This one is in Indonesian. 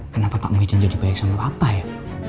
kenapa pak muhyiddin jadi baik sama bapak ya